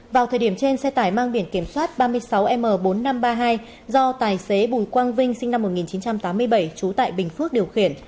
vào thời điểm trên xe tải mang biển kiểm soát ba mươi sáu m bốn nghìn năm trăm ba mươi hai do tài xế bùi quang vinh sinh năm một nghìn chín trăm tám mươi bảy trú tại bình phước điều khiển